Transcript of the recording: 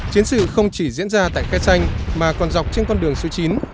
chiến sự không chỉ diễn ra tại khe xanh mà còn dọc trên con đường số chín